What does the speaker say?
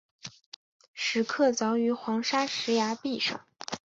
石刻凿于黄砂石崖壁上。